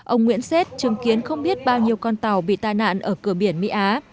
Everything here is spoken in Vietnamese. ông nguyễn xét chứng kiến không biết bao nhiêu con tàu bị tai nạn ở cửa biển mỹ á